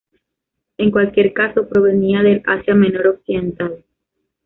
En cualquier caso, provenía del Asia Menor occidental.